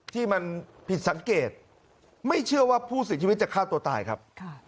ที่มันผิดสังเกตไม่เชื่อว่าผู้เสียชีวิตจะฆ่าตัวตายครับ